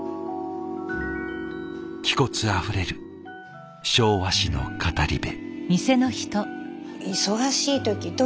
気骨あふれる昭和史の語り部。